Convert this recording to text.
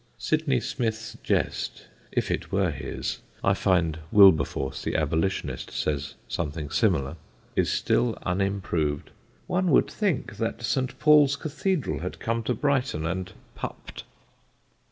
Sidney Smith's jest (if it were his; I find Wilberforce, the Abolitionist, saying something similar) is still unimproved: "One would think that St. Paul's Cathedral had come to Brighton and pupped."